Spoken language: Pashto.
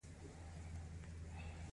تاسو ښکلي یاست